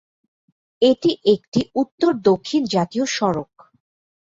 এটি একটি উত্তর-দক্ষিণ জাতীয় সড়ক।